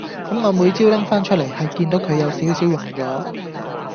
咁我每朝拎返出嚟係見到佢有少少溶咗